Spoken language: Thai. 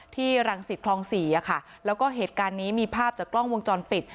ที่รังศิษย์คลอง๔ค่ะแล้วก็เหตุการณ์นี้มีภาพจากกล้องวงจรปิด